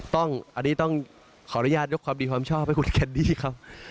อันนี้ต้องขออนุญาตยกความดีความชอบให้คุณแคนดี้เขา